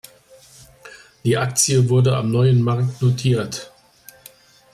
Die Aktie wurde am Neuen Markt notiert.